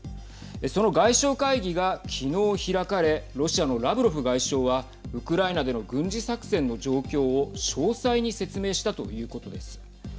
その外相会議がきのう、開かれロシアのラブロフ外相はウクライナでの軍事作戦の状況を詳細に説明したということです。